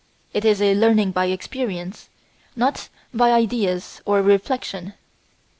It is a learning by experience, not by ideas or reflection.